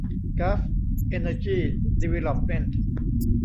กัลฟ์ เอ็นเนอร์จี ดีเวลลอปเมนท์